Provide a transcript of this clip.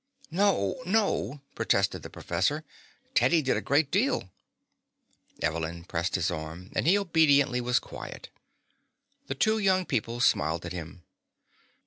"No, no," protested the professor. "Teddy did a great deal." Evelyn pressed his arm, and he obediently was quiet. The two young people smiled at him.